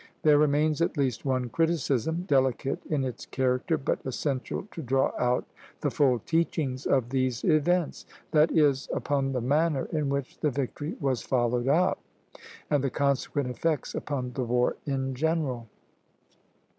There remains at least one criticism, delicate in its character, but essential to draw out the full teachings of these events; that is, upon the manner in which the victory was followed up, and the consequent effects upon the war in general.